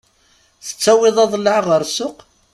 Tettawiḍ aḍellaɛ ɣer ssuq?